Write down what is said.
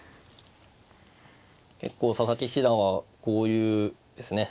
結構佐々木七段はこういうですね